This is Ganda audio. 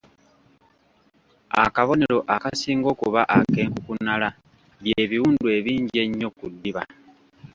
Akabonero akasinga okuba ak’enkukunala bye biwundu ebingi ennyo ku ddiba.